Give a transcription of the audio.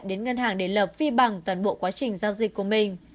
đến ngân hàng để lập phi bằng toàn bộ quá trình giao dịch của mình